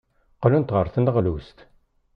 Qqlent ɣer tneɣlust.